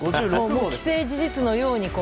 もう既成事実のように。